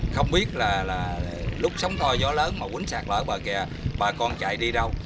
không biết là lúc sóng to gió lớn mà quýnh sạt lở bờ kè bà còn chạy đi đâu